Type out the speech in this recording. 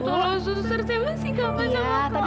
tolong suster saya masih kava sama kava